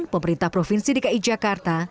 pemerintah provinsi dki jakarta